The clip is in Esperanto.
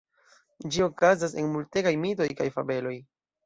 Ĝi okazas en multegaj mitoj kaj fabeloj.